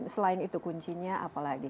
selain itu kuncinya apalagi